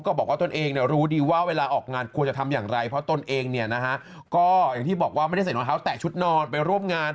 ก็อย่างที่บอกว่าไม่ได้ใส่น้องเท้าแตะชุดนอนไปร่วมงาน